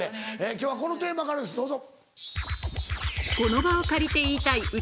今日はこのテーマからですどうぞ。